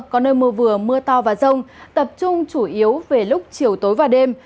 có nơi mưa vừa mưa to và rông tập trung chủ yếu về lúc chiều tối và đêm